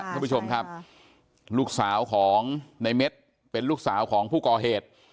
ทุกผู้ชมครับลูกสาวของในเม็ดเป็นลูกสาวของผู้ก่อเหตุ